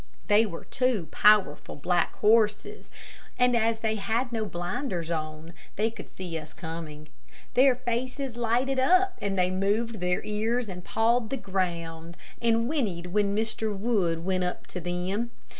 They were two powerful black horses, and as they had no blinders on, they could see us coming. Their faces lighted up and they moved their ears and pawed the ground, and whinnied when Mr. Wood went up to them.